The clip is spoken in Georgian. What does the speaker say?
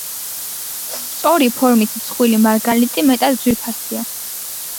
სწორი ფორმის მსხვილი მარგალიტი მეტად ძვირფასია.